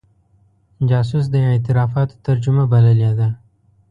جاسوس د اعترافاتو ترجمه بللې ده.